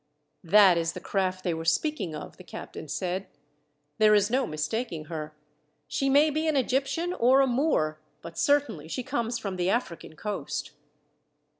"That is the craft they were speaking of," the captain said. "There is no mistaking her. She may be an Egyptian or a Moor, but certainly she comes from the African coast."